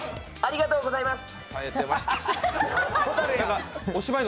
ありがとうございます。